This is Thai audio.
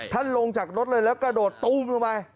ลงจากรถเลยแล้วกระโดดตู้มลงไป